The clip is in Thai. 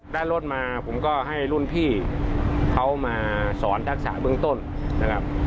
ได้รถมาผมก็ให้รุ่นพี่เขามาสอนทักษะเบื้องต้นนะครับ